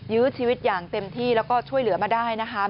ยื้อชีวิตอย่างเต็มที่แล้วก็ช่วยเหลือมาได้นะคะ